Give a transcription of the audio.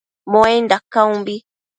Muainda caumbi